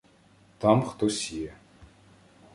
Там хтось є.